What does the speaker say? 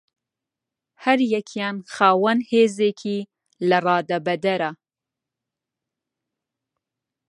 هەریەکەیان خاوەن هێزێکی لەرادەبەدەرە